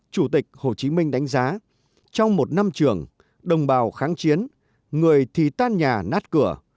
chủ tịch hồ chí minh đánh giá trong một năm trường đồng bào kháng chiến người thì tan nhà nát cửa